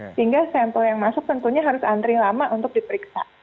sehingga sampel yang masuk tentunya harus antri lama untuk diperiksa